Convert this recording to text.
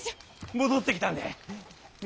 戻ってきたんだい。